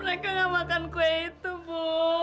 mereka gak makan kue itu bu